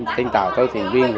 tên tàu tôi thuyền viên